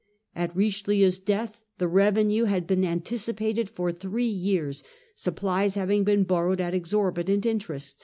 At Richelieu's death the revenue had been antici pated for three years, supplies having been borrowed at exorbitant interest.